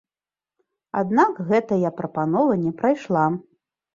Аднак гэтая прапанова не прайшла.